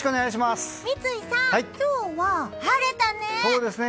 三井さん、今日は晴れたね！